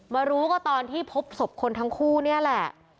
มารู้ก็ตอนที่พบศพคนทั้งคู่นี่แหละ